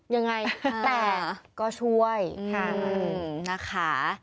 ยังไงแต่ก็ช่วยค่ะนะคะ